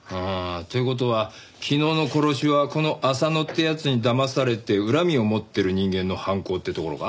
という事は昨日の殺しはこの浅野って奴にだまされて恨みを持ってる人間の犯行ってところか？